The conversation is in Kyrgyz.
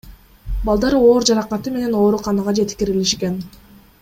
Балдар оор жаракаты менен ооруканага жеткирилишкен.